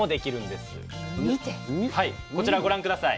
こちらご覧下さい。